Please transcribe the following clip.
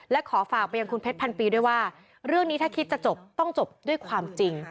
และขอฝากไปยังคุณเพชรพันปีด้วยว่าเรื่องนี้ถ้าคิดจะจบต้องจบด้วยความจริง